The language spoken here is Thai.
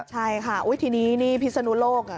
ใช่ค่ะทีนี้นี่พิศนุโลก